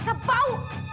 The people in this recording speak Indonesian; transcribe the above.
ih rasa bau